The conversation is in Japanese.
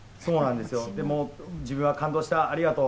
でも自分は、感動した、ありがとう。